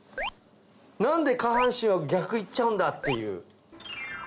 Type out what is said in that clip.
何で下半身は逆行っちゃうんだっていう。